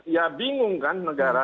ya bingung kan negara